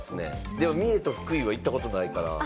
でも三重と福井は行ったことないから。